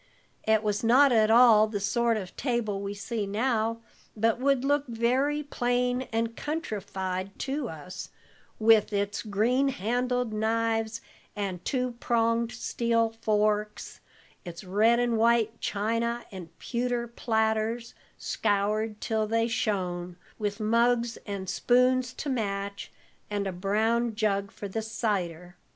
It was not at all the sort of table we see now, but would look very plain and countrified to us, with its green handled knives and two pronged steel forks; its red and white china, and pewter platters, scoured till they shone, with mugs and spoons to match, and a brown jug for the cider.